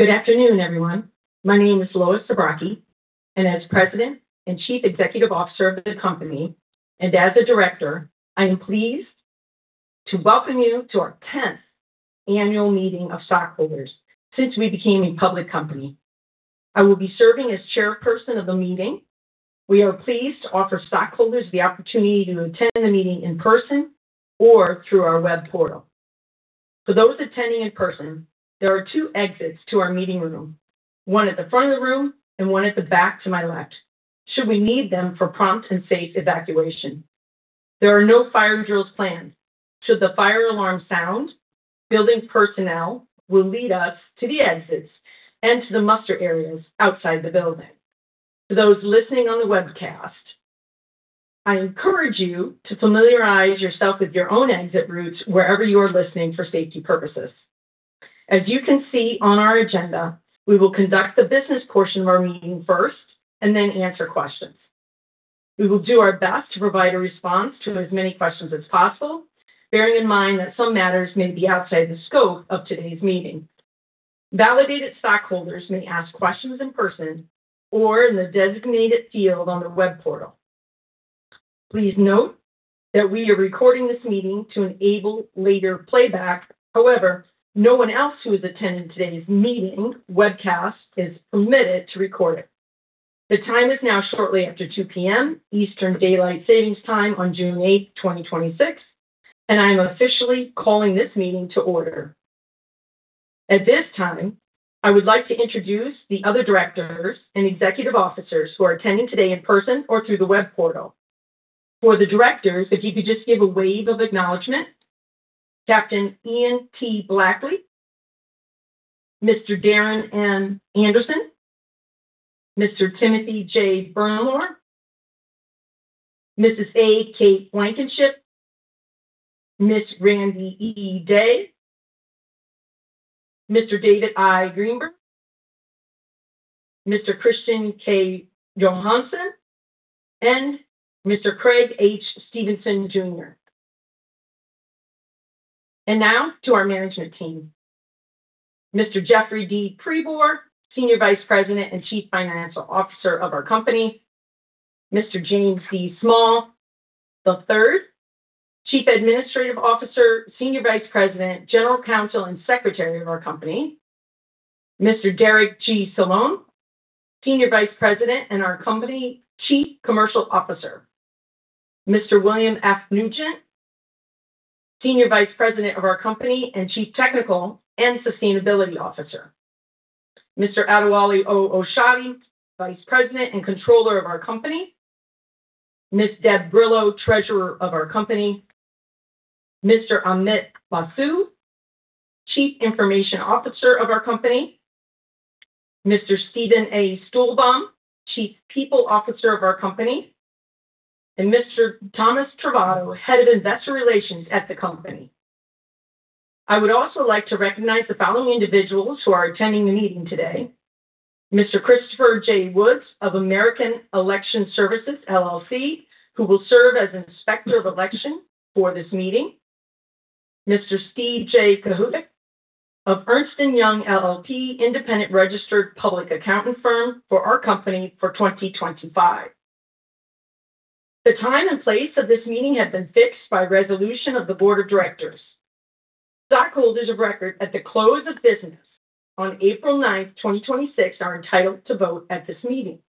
Good afternoon, everyone. My name is Lois K. Zabrocky, and as President and Chief Executive Officer of the company, and as a Director, I am pleased to welcome you to our 10th Annual Meeting of Stockholders since we became a public company. I will be serving as Chairperson of the meeting. We are pleased to offer stockholders the opportunity to attend the meeting in person or through our web portal. For those attending in person, there are two exits to our meeting room, one at the front of the room and one at the back to my left should we need them for prompt and safe evacuation. There are no fire drills planned. Should the fire alarm sound, building personnel will lead us to the exits and to the muster areas outside the building. For those listening on the webcast, I encourage you to familiarize yourself with your own exit routes wherever you are listening for safety purposes. As you can see on our agenda, we will conduct the business portion of our meeting first. We will do our best to provide a response to as many questions as possible, bearing in mind that some matters may be outside the scope of today's meeting. Validated stockholders may ask questions in person or in the designated field on the web portal. Please note that we are recording this meeting to enable later playback. However, no one else who is attending today's meeting webcast is permitted to record it. The time is now shortly after 2:00 P.M. Eastern Daylight Savings Time on June 8th, 2026. I am officially calling this meeting to order. At this time, I would like to introduce the other Directors and Executive Officers who are attending today in person or through the web portal. For the Directors, if you could just give a wave of acknowledgement. Captain Ian T. Blackley, Mr. Darron M. Anderson, Mr. Timothy J. Bernlohr, Mrs. A. Kate Blankenship, Ms. Randee E. Day, Mr. David I. Greenberg, Mr. Kristian K. Johansen, and Mr. Craig H. Stevenson Jr. Now to our management team. Mr. Jeffrey D. Pribor, Senior Vice President and Chief Financial Officer of our company. Mr. James D. Small III, Chief Administrative Officer, Senior Vice President, General Counsel, and Secretary of our company. Mr. Derek G. Solon, Senior Vice President and our company Chief Commercial Officer. Mr. William F. Nugent, Senior Vice President of our company and Chief Technical and Sustainability Officer. Mr. Adewale O. Oshodi, Vice President and Controller of our company. Ms. Deb Brillo, Treasurer of our company. Mr. Amit Basu, Chief Information Officer of our company. Mr. Steven Stulbaum, Chief People Officer of our company. Mr. Thomas Trovato, Head of Investor Relations at the company. I would also like to recognize the following individuals who are attending the meeting today. Mr. Christopher J. Woods of American Election Services, LLC, who will serve as Inspector of Election for this meeting. Mr. Steve J. Kohutic of Ernst & Young LLP, independent registered public accounting firm for our company for 2025. The time and place of this meeting have been fixed by resolution of the board of directors. Stockholders of record at the close of business on April 9th, 2026, are entitled to vote at this meeting.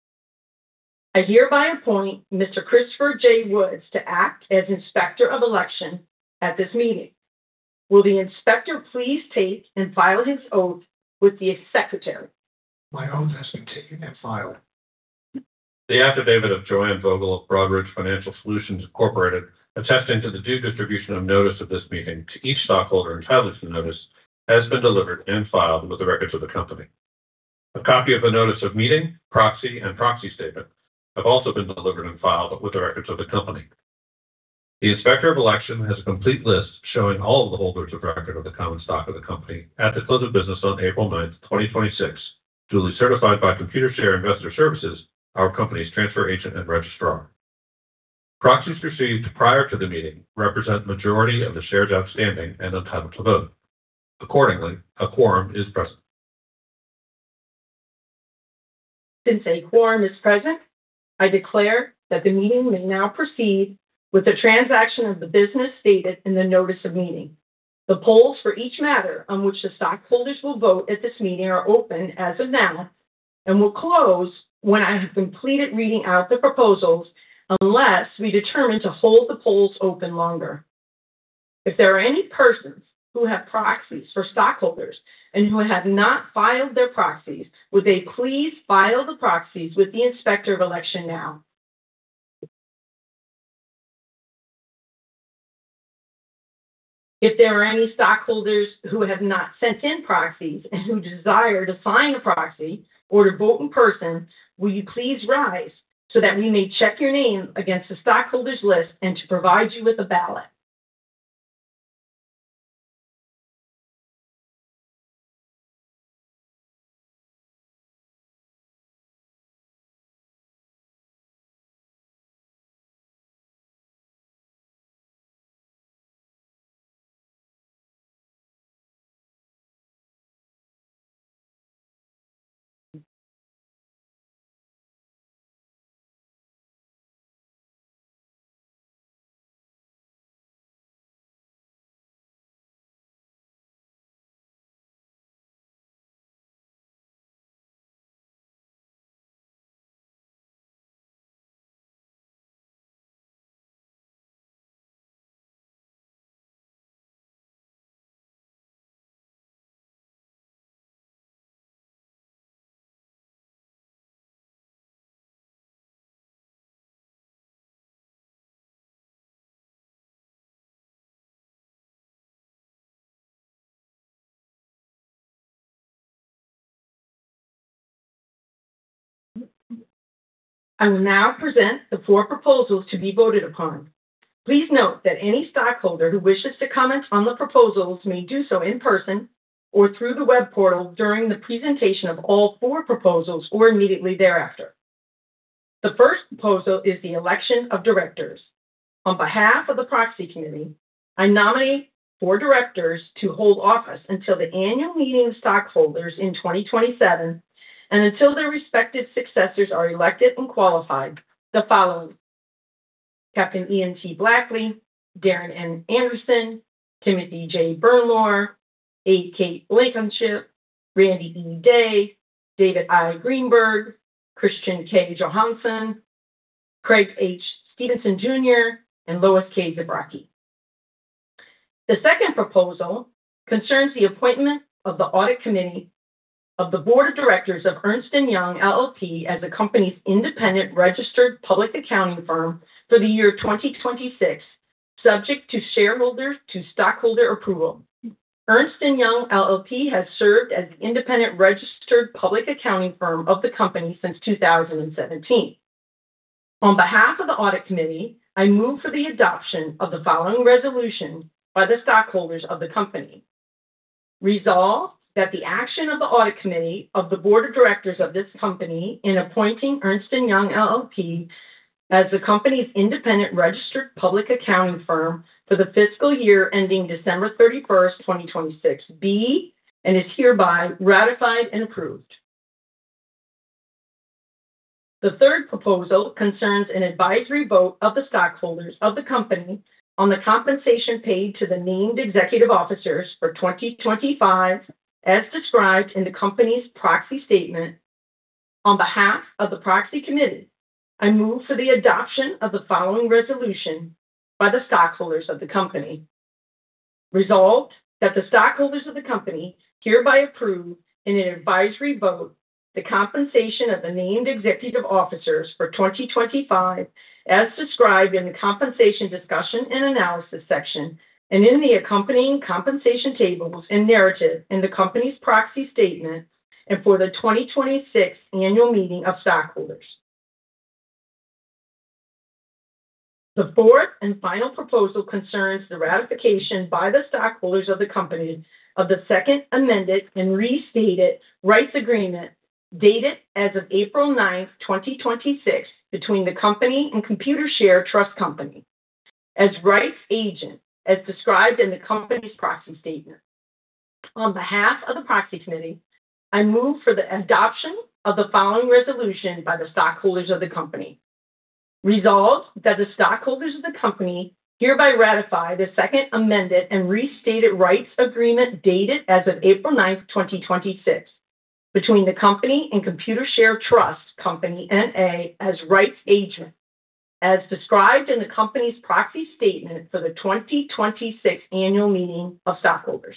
I hereby appoint Mr. Christopher J. Woods to act as Inspector of Election at this meeting. Will the inspector please take and file his oath with the Secretary? My oath has been taken and filed. The affidavit of Joanne Vogel of Broadridge Financial Solutions, Inc., attesting to the due distribution of notice of this meeting to each stockholder entitled to notice, has been delivered and filed with the records of the company. A copy of the notice of meeting, proxy, and proxy statement have also been delivered and filed with the records of the company. The Inspector of Election has a complete list showing all of the holders of record of the common stock of the company at the close of business on April 9th, 2026, duly certified by Computershare Investor Services, our company's transfer agent and registrar. Proxies received prior to the meeting represent the majority of the shares outstanding and entitled to vote. Accordingly, a quorum is present. Since a quorum is present, I declare that the meeting may now proceed with the transaction of the business stated in the notice of meeting. The polls for each matter on which the stockholders will vote at this meeting are open as of now and will close when I have completed reading out the proposals unless we determine to hold the polls open longer. If there are any persons who have proxies for stockholders and who have not filed their proxies, would they please file the proxies with the Inspector of Election now? If there are any stockholders who have not sent in proxies and who desire to sign a proxy or to vote in person, will you please rise so that we may check your name against the stockholders list and to provide you with a ballot. I will now present the four proposals to be voted upon. Please note that any stockholder who wishes to comment on the proposals may do so in person or through the web portal during the presentation of all four proposals or immediately thereafter. The first proposal is the election of directors. On behalf of the Proxy Committee, I nominate four directors to hold office until the annual meeting of stockholders in 2027, and until their respective successors are elected and qualified, the following: Captain Ian T. Blackley, Darron M. Anderson, Timothy J. Bernlohr, A. Kate Blankenship, Randee E. Day, David I. Greenberg, Kristian K. Johansen, Craig H. Stevenson Jr., and Lois K. Zabrocky. The second proposal concerns the appointment of the Audit Committee of the Board of Directors of Ernst & Young LLP as the company's independent registered public accounting firm for the year 2026, subject to stockholder approval. Ernst & Young LLP has served as the independent registered public accounting firm of the company since 2017. On behalf of the Audit Committee, I move for the adoption of the following resolution by the stockholders of the company. Resolved, that the action of the Audit Committee of the Board of Directors of this company in appointing Ernst & Young LLP as the company's independent registered public accounting firm for the fiscal year ending December 31st, 2026 be, and is hereby ratified and approved. The third proposal concerns an advisory vote of the stockholders of the company on the compensation paid to the named executive officers for 2025, as described in the company's proxy statement. On behalf of the Proxy Committee, I move for the adoption of the following resolution by the stockholders of the company. Resolved, that the stockholders of the company hereby approve, in an advisory vote, the compensation of the named executive officers for 2025, as described in the Compensation Discussion and Analysis section and in the accompanying compensation tables and narrative in the company's proxy statement and for the 2026 annual meeting of stockholders. The fourth and final proposal concerns the ratification by the stockholders of the company of the Second Amended and Restated Rights Agreement, dated as of April 9th, 2026, between the company and Computershare Trust Company as rights agent, as described in the company's proxy statement. On behalf of the Proxy Committee, I move for the adoption of the following resolution by the stockholders of the company. Resolved, that the stockholders of the company hereby ratify the Second Amended and Restated Rights Agreement, dated as of April 9th, 2026, between the company and Computershare Trust Company, N.A. As rights agent, as described in the company's proxy statement for the 2026 annual meeting of stockholders.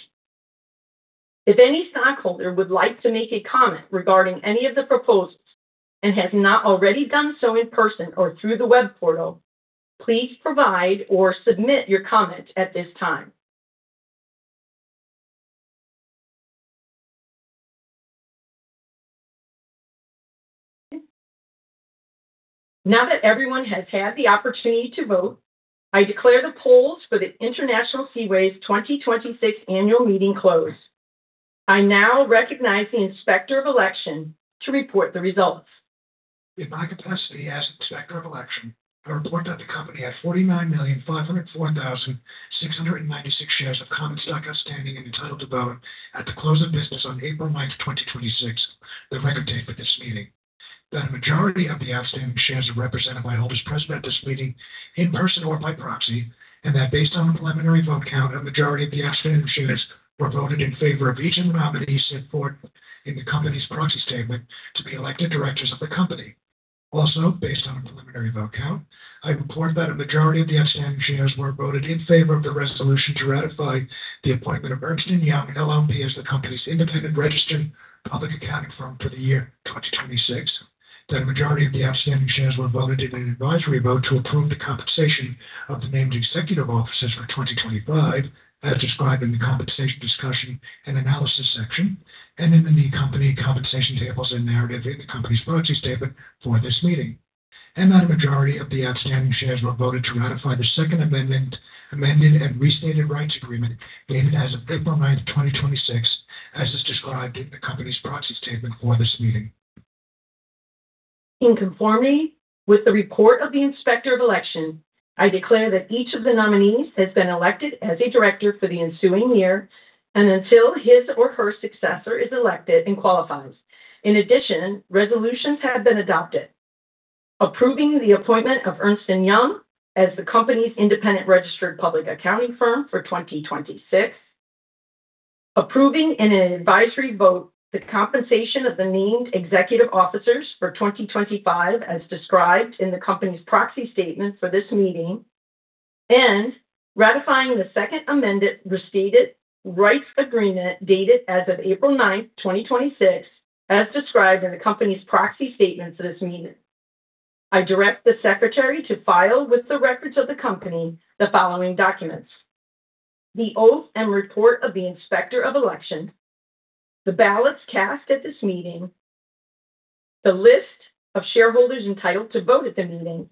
If any stockholder would like to make a comment regarding any of the proposals and has not already done so in person or through the web portal, please provide or submit your comment at this time. Now that everyone has had the opportunity to vote, I declare the polls for the International Seaways 2026 Annual Meeting closed. I now recognize the Inspector of Election to report the results. In my capacity as Inspector of Election, I report that the company had 49,504,696 shares of common stock outstanding and entitled to vote at the close of business on April 9th, 2026, the record date for this meeting. That a majority of the outstanding shares are represented by holders present at this meeting in person or by proxy. Based on a preliminary vote count, a majority of the outstanding shares were voted in favor of each of the nominees set forth in the company's proxy statement to be elected directors of the company. Based on a preliminary vote count, I report that a majority of the outstanding shares were voted in favor of the resolution to ratify the appointment of Ernst & Young LLP as the company's independent registered public accounting firm for the year 2026, that a majority of the outstanding shares were voted in an advisory vote to approve the compensation of the named executive officers for 2025, as described in the Compensation Discussion and Analysis section and in the accompanying compensation tables and narrative in the company's proxy statement for this meeting. A majority of the outstanding shares were voted to ratify the Second Amended and Restated Rights Agreement, dated as of April 9th, 2026, as is described in the company's proxy statement for this meeting. In conformity with the report of the Inspector of Election, I declare that each of the nominees has been elected as a director for the ensuing year, and until his or her successor is elected and qualifies. In addition, resolutions have been adopted approving the appointment of Ernst & Young as the company's independent registered public accounting firm for 2026, approving in an advisory vote the compensation of the named executive officers for 2025 as described in the company's proxy statement for this meeting, and ratifying the Second Amended and Restated Rights Agreement dated as of April 9th, 2026, as described in the company's proxy statement for this meeting. I direct the Secretary to file with the records of the company the following documents: the oath and report of the Inspector of Election, the ballots cast at this meeting, the list of shareholders entitled to vote at the meeting,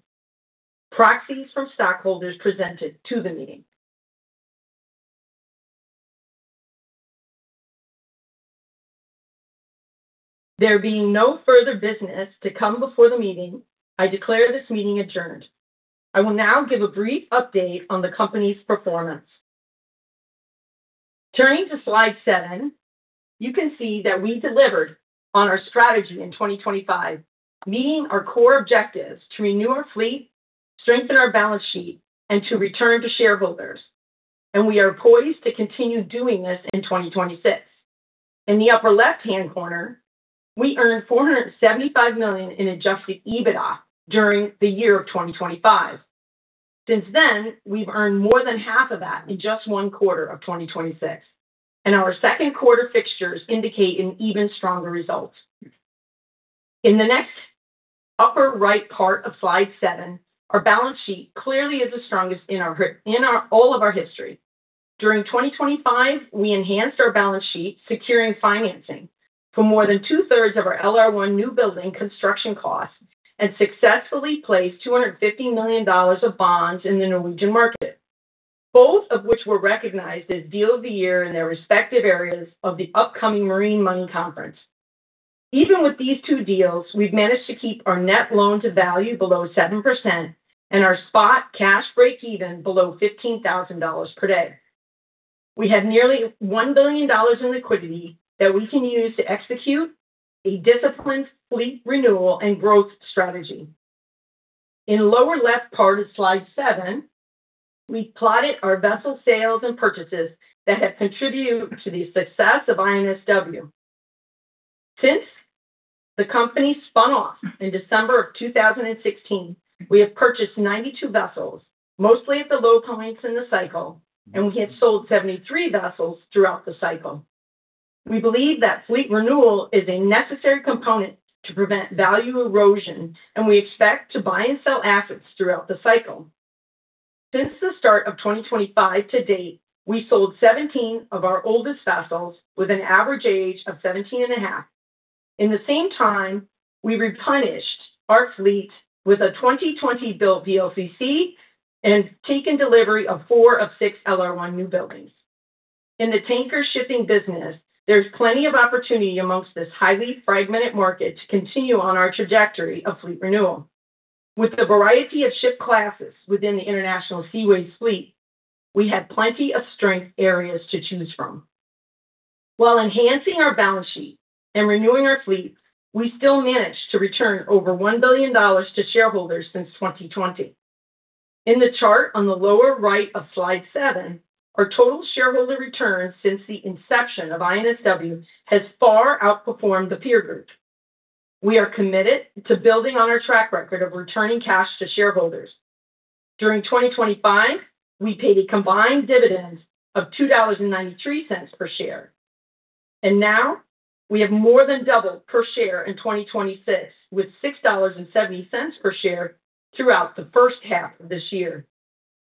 proxies from stockholders presented to the meeting. There being no further business to come before the meeting, I declare this meeting adjourned. I will now give a brief update on the company's performance. Turning to slide seven, you can see that we delivered on our strategy in 2025, meeting our core objectives to renew our fleet, strengthen our balance sheet, and to return to shareholders, and we are poised to continue doing this in 2026. In the upper left-hand corner, we earned $475 million in adjusted EBITDA during the year of 2025. Since then, we've earned more than half of that in just one quarter of 2026, and our second quarter fixtures indicate an even stronger result. In the next upper right part of slide seven, our balance sheet clearly is the strongest in all of our history. During 2025, we enhanced our balance sheet, securing financing for more than 2/3 of our LR1 new building construction costs and successfully placed $250 million of bonds in the Norwegian market, both of which were recognized as Deal of the Year in their respective areas of the upcoming Marine Money conference. Even with these two deals, we've managed to keep our net loan to value below 7% and our spot cash breakeven below $15,000 per day. We have nearly $1 billion in liquidity that we can use to execute a disciplined fleet renewal and growth strategy. In the lower left part of slide seven, we plotted our vessel sails and purchases that have contributed to the success of INSW. Since the company spun off in December of 2016, we have purchased 92 vessels, mostly at the low points in the cycle, and we have sold 73 vessels throughout the cycle. We believe that fleet renewal is a necessary component to prevent value erosion, and we expect to buy and sell assets throughout the cycle. Since the start of 2025 to date, we sold 17 of our oldest vessels with an average age of 17.5. In the same time, we replenished our fleet with a 2020-built VLCC and have taken delivery of four of six LR1 new buildings. In the tanker shipping business, there's plenty of opportunity amongst this highly fragmented market to continue on our trajectory of fleet renewal. With the variety of ship classes within the International Seaways fleet, we have plenty of strength areas to choose from. While enhancing our balance sheet and renewing our fleet, we still managed to return over $1 billion to shareholders since 2020. In the chart on the lower right of slide seven, our total shareholder return since the inception of INSW has far outperformed the peer group. We are committed to building on our track record of returning cash to shareholders. During 2025, we paid a combined dividend of $2.93 per share, and now we have more than doubled per share in 2026 with $6.70 per share throughout the first half of this year.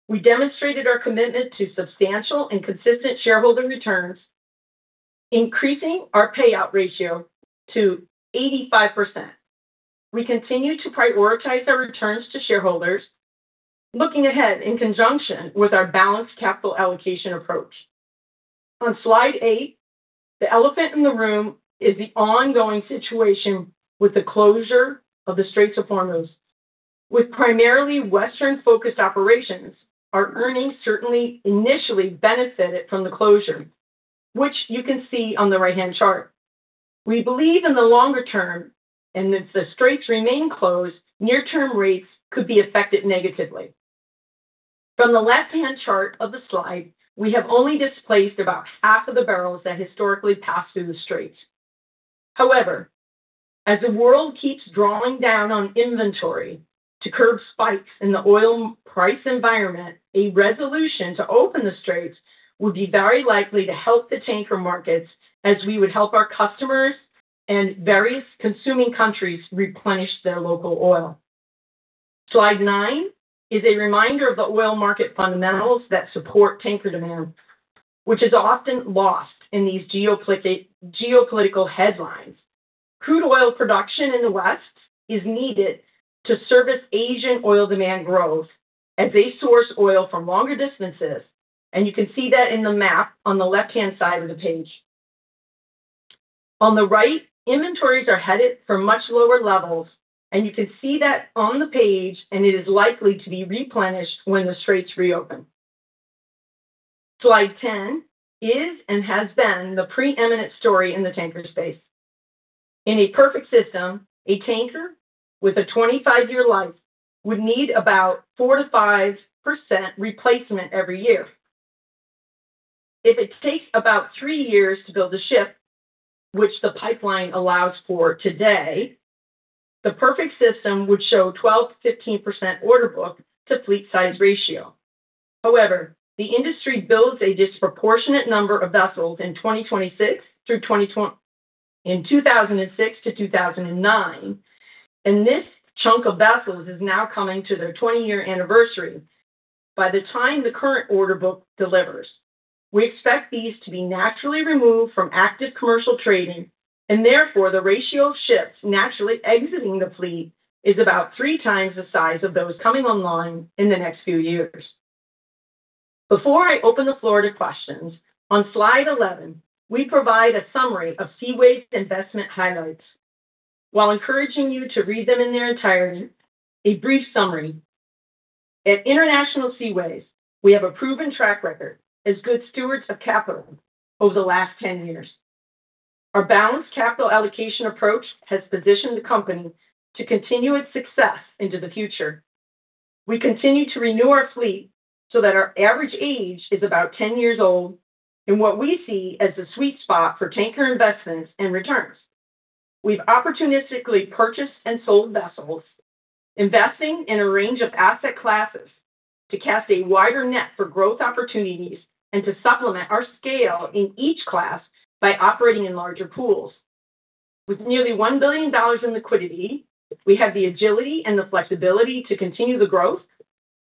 We demonstrated our commitment to substantial and consistent shareholder returns, increasing our payout ratio to 85%. We continue to prioritize our returns to shareholders, looking ahead in conjunction with our balanced capital allocation approach. On slide eight, the elephant in the room is the ongoing situation with the closure of the Straits of Hormuz. With primarily Western-focused operations, our earnings certainly initially benefited from the closure, which you can see on the right-hand chart. We believe in the longer term, and if the Straits remain closed, near-term rates could be affected negatively. From the left-hand chart of the slide, we have only displaced about half of the barrels that historically pass through the Straits. However, as the world keeps drawing down on inventory to curb spikes in the oil price environment, a resolution to open the Straits would be very likely to help the tanker markets as we would help our customers and various consuming countries replenish their local oil. Slide nine is a reminder of the oil market fundamentals that support tanker demand, which is often lost in these geopolitical headlines. Crude oil production in the West is needed to service Asian oil demand growth as they source oil from longer distances, you can see that in the map on the left-hand side of the page. On the right, inventories are headed for much lower levels, you can see that on the page. It is likely to be replenished when the Straits reopen. Slide 10 is and has been the preeminent story in the tanker space. In a perfect system, a tanker with a 25-year life would need about 4%-5% replacement every year. If it takes about three years to build a ship, which the pipeline allows for today, the perfect system would show 12%-15% order book to fleet size ratio. The industry built a disproportionate number of vessels in 2006-2009, this chunk of vessels is now coming to their 20-year anniversary by the time the current order book delivers. We expect these to be naturally removed from active commercial trading, therefore, the ratio of ships naturally exiting the fleet is about 3x the size of those coming online in the next few years. Before I open the floor to questions, on Slide 11, we provide a summary of Seaways' investment highlights. While encouraging you to read them in their entirety, a brief summary. At International Seaways, we have a proven track record as good stewards of capital over the last 10 years. Our balanced capital allocation approach has positioned the company to continue its success into the future. We continue to renew our fleet so that our average age is about 10 years old in what we see as the sweet spot for tanker investments and returns. We've opportunistically purchased and sold vessels, investing in a range of asset classes to cast a wider net for growth opportunities and to supplement our scale in each class by operating in larger pools. With nearly $1 billion in liquidity, we have the agility and the flexibility to continue the growth.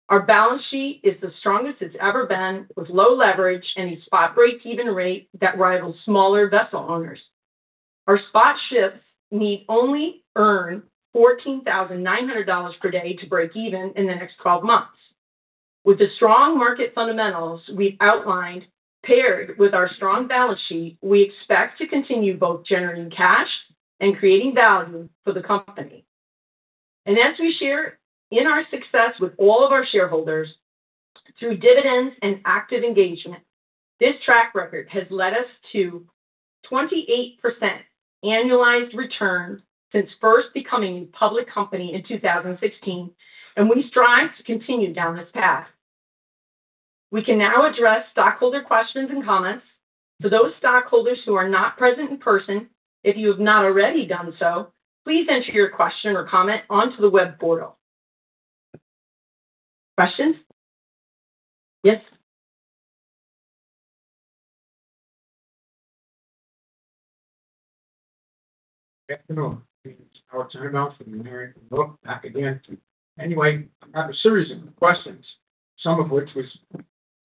Our balance sheet is the strongest it's ever been, with low leverage and a spot break-even rate that rivals smaller vessel owners. Our spot ships need only earn $14,900 per day to break even in the next 12 months. With the strong market fundamentals we've outlined, paired with our strong balance sheet, we expect to continue both generating cash and creating value for the company. As we share in our success with all of our shareholders through dividends and active engagement, this track record has led us to 28% annualized return since first becoming a public company in 2016, we strive to continue down this path. We can now address stockholder questions and comments. For those stockholders who are not present in person, if you have not already done so, please enter your question or comment onto the web portal. Questions? Yes. Good afternoon. It's Howard Turnoff from American Bull, back again. I have a series of questions, some of which was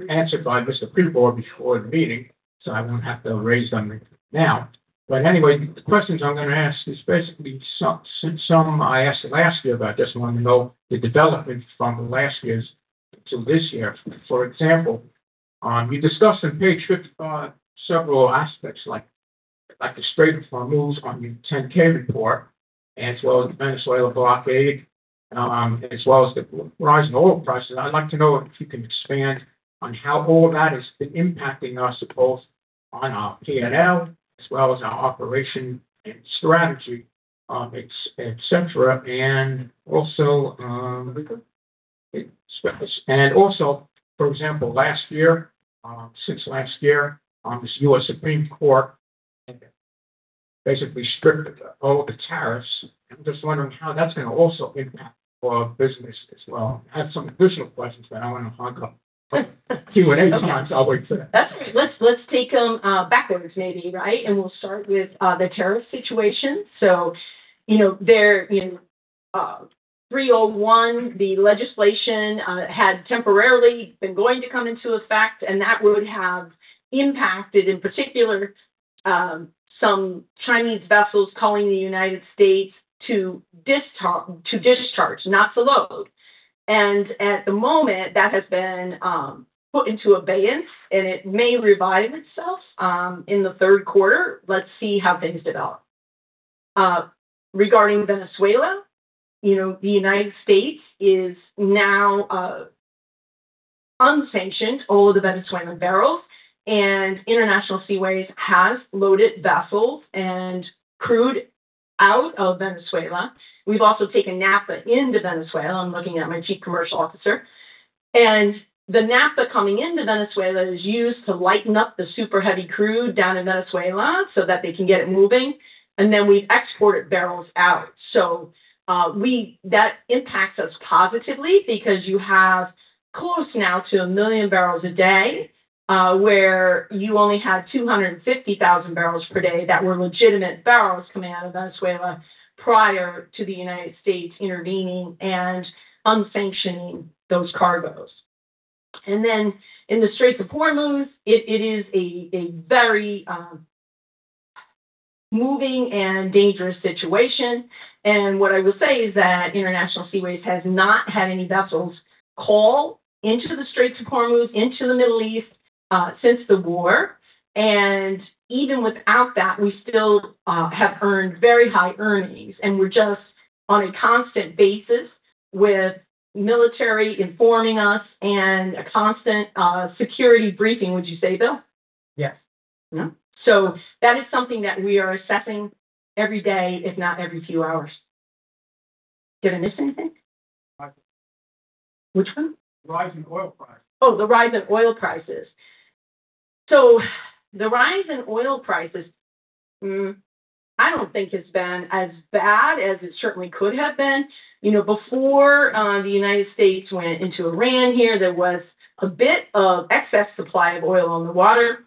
answered by Mr. Pribor before the meeting, so I won't have to raise them now. The questions I'm going to ask is basically some I asked last year, but I just want to know the developments from last year's to this year. For example, you discussed on page 55 several aspects like the Strait of Hormuz on your 10-K report, as well as the Venezuela blockade, as well as the rise in oil prices. I'd like to know if you can expand on how all that has been impacting us, both on our P&L as well as our operation and strategy, et cetera. Are we good? Yes. Also, for example, since last year, the U.S. Supreme Court basically stripped all the tariffs. I'm just wondering how that's going to also impact our business as well. I have some additional questions, but I want to hog up Q&A time. I'll wait for that. That's okay. Let's take them backwards maybe, right? We'll start with the tariff situation. 301, the legislation had temporarily been going to come into effect, and that would have impacted, in particular, some Chinese vessels calling the United States to discharge, not to load. At the moment, that has been put into abeyance, and it may revive itself in the third quarter. Let's see how things develop. Regarding Venezuela, the United States has now un-sanctioned all the Venezuelan barrels, and International Seaways has loaded vessels and crude out of Venezuela. We've also taken Naphtha into Venezuela. I'm looking at my Chief Commercial Officer. The naphtha coming into Venezuela is used to lighten up the super-heavy crude down in Venezuela so that they can get it moving, and then we've exported barrels out. That impacts us positively because you have close now to 1 MMbpd, where you only had 250,000 barrels per day that were legitimate barrels coming out of Venezuela prior to the U.S. intervening and un-sanctioning those cargoes. In the Strait of Hormuz, it is a very moving and dangerous situation. What I will say is that International Seaways has not had any vessels call into the Strait of Hormuz, into the Middle East, since the war. Even without that, we still have earned very high earnings, and we're just on a constant basis with military informing us and a constant security briefing. Would you say, Bill? Yes. Yeah. That is something that we are assessing every day, if not every few hours. Did I miss anything? Rise in oil price. Which one? Rise in oil price. Oh, the rise in oil prices. The rise in oil prices, I don't think it's been as bad as it certainly could have been. Before the United States went into Iran here, there was a bit of excess supply of oil on the water,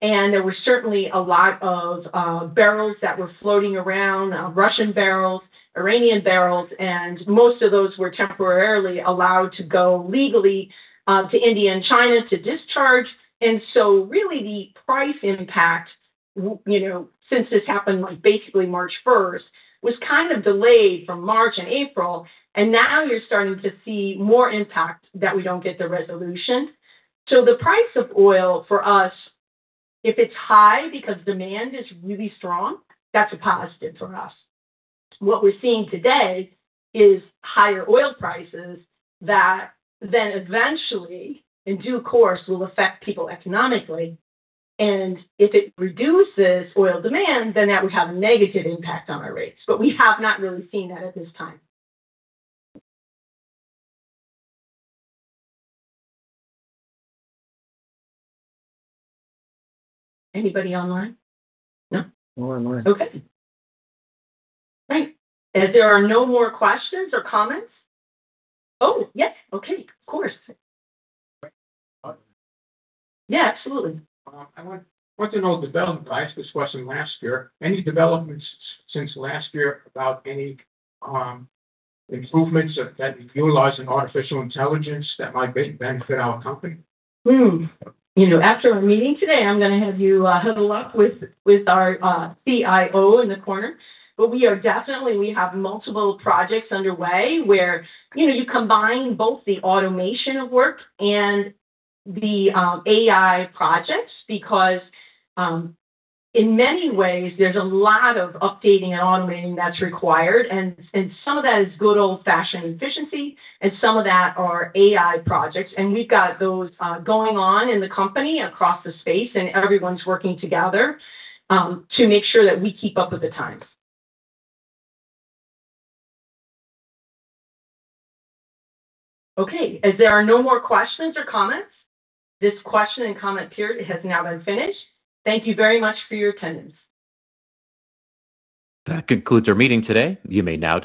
and there were certainly a lot of barrels that were floating around, Russian barrels, Iranian barrels, and most of those were temporarily allowed to go legally to India and China to discharge. Really, the price impact, since this happened basically March 1st, was kind of delayed from March and April. Now you're starting to see more impact that we don't get the resolution. The price of oil for us, if it's high because demand is really strong, that's a positive for us. What we're seeing today is higher oil prices that then eventually, in due course, will affect people economically. If it reduces oil demand, then that would have a negative impact on our rates. We have not really seen that at this time. Anybody online? No? No one online. Okay. Great. As there are no more questions or comments. Oh, yes. Okay. Of course. Yeah, absolutely. I want to know development. I asked this question last year. Any developments since last year about any improvements that utilizing artificial intelligence that might benefit our company? After our meeting today, I'm going to have you huddle up with our CIO in the corner. We have multiple projects underway where you combine both the automation of work and the AI projects because, in many ways, there's a lot of updating and automating that's required, and some of that is good old-fashioned efficiency and some of that are AI projects. We've got those going on in the company across the space, and everyone's working together to make sure that we keep up with the times. Okay. As there are no more questions or comments, this question and comment period has now been finished. Thank you very much for your attendance. That concludes our meeting today. You may now disconnect.